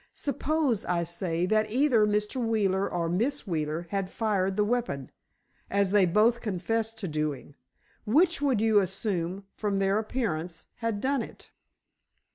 Suppose, I say, that either Mr. Wheeler or Miss Wheeler had fired the weapon—as they have both confessed to doing—which would you assume, from their appearance, had done it?"